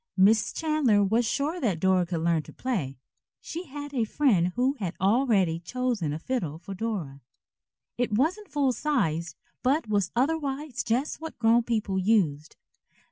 Miss Chandler was sure that Dora could learn to play. She had a friend who had already chosen a fiddle for Dora. It wasn't full sized, but was otherwise just what grown people used.